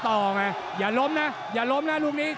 หรือว่าผู้สุดท้ายมีสิงคลอยวิทยาหมูสะพานใหม่